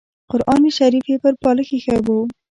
قران شریف یې پر بالښت اېښی و.